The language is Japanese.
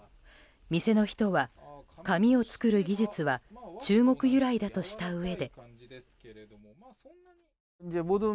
店の人は紙を作る技術は中国由来だとしたうえで。